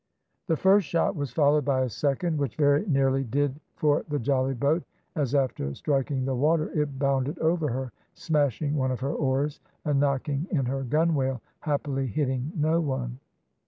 "The first shot was followed by a second, which very nearly did for the jollyboat, as, after striking the water, it bounded over her, smashing one of her oars, and knocking in her gunwale, happily hitting no one.